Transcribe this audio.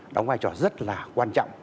đóng vai trò rất là quan trọng